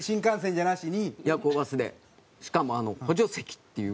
しかも補助席っていう。